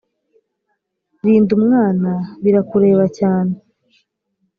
rinda umwana birakureba cyane